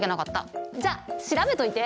じゃあ調べといて！